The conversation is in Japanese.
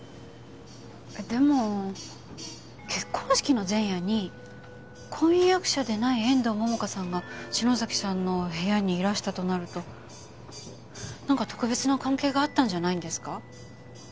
でも結婚式の前夜に婚約者でない遠藤桃花さんが篠崎さんの部屋にいらしたとなるとなんか特別な関係があったんじゃないんですか？